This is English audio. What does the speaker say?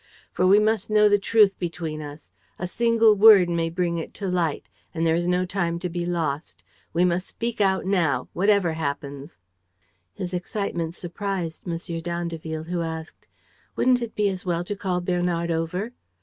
For we must know the truth between us. A single word may bring it to light; and there is no time to be lost. We must speak out now. ... Whatever happens." His excitement surprised M. d'Andeville, who asked: "Wouldn't it be as well to call Bernard over?"